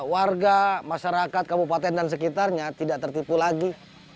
warga masyarakat kabupaten dan sekitarnya tidak tertipu lagi